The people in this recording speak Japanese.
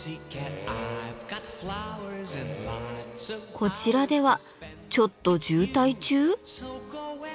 こちらではちょっと渋滞中？